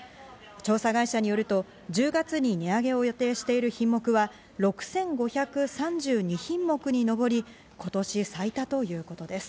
調査会社によると、１０月に値上げを予定している品目は６５３２品目にのぼり今年最多ということです。